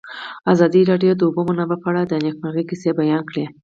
ازادي راډیو د د اوبو منابع په اړه د نېکمرغۍ کیسې بیان کړې.